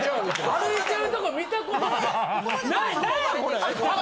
歩いてるとこ見たことない。ねぇ。